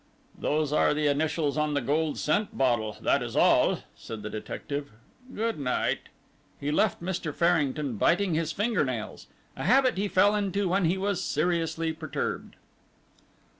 "Those are the initials on the gold scent bottle, that is all," said the detective. "Good night." He left Mr. Farrington biting his finger nails a habit he fell into when he was seriously perturbed.